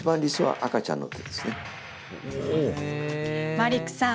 マリックさん